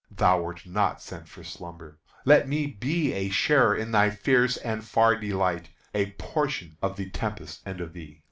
Thou wert not sent for slumber! let me be A sharer in thy fierce and far delight, A portion of the tempest and of thee!"